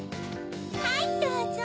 はいどうぞ。